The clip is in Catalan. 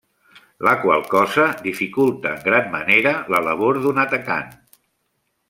La qual cosa dificulta en gran manera la labor d'un atacant.